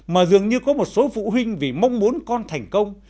mà dường như có một số phụ huynh vì mong muốn con thành công